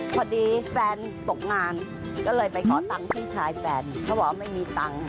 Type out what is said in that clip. พอดีแฟนตกงานก็เลยไปขอตังค์พี่ชายแฟนเขาบอกว่าไม่มีตังค์